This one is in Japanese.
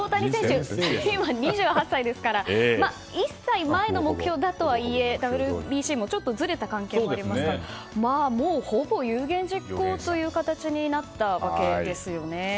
今、２８歳ですから１歳前の目標だとはいえＷＢＣもずれた関係もありますからもう、ほぼ有言実行という形になったわけですよね。